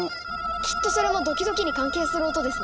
きっとそれもドキドキに関係する音ですね。